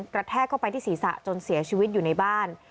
แทกเข้าไปที่ศีรษะจนเสียชีวิตอยู่ในบ้าน